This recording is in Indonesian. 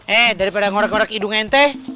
eh daripada ngorek ngorek hidung ente